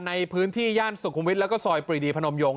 ในพื้นที่ย่านสุขุมวิทย์แล้วก็ซอยปรีดีพนมยง